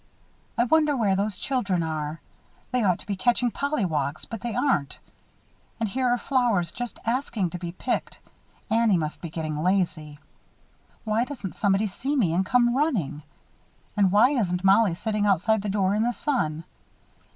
I wonder where those children are. They ought to be catching pollywogs, but they aren't. And here are flowers just asking to be picked Annie must be getting lazy. Why doesn't somebody see me and come running? And why isn't Mollie sitting outside the door in the sun?